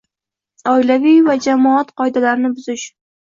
oilaviy va jamoat qoidalarini buzish